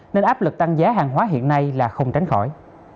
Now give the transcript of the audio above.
nên áp lực tăng giá hàng hóa hiện nay là không tránh khỏi